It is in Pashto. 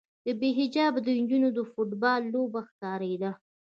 د بې حجابه نجونو د فوټبال لوبه ښکارېده.